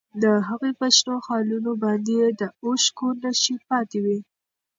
د هغې په شنو خالونو باندې د اوښکو نښې پاتې وې.